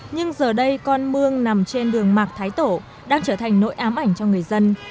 nhưng giờ đây con mương nằm trên đường mạc thái tổ đang trở thành nỗi ám ảnh cho người dân